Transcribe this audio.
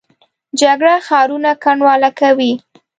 جګړه ښارونه کنډواله کوي